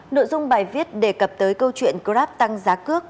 nội dung bài viết đề cập tới câu chuyện grab tăng giá cước